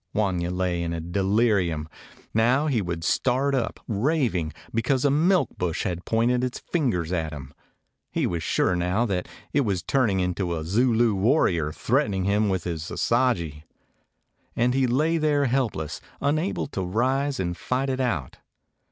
Wanya lay in a delirium. Now he would start up raving, beceause a milk bush had pointed its fingers at him. He was sure now that it was turning into a Zulu warrior, threatening him with his assagai. And he lay there helpless, unable to rise and fight it out.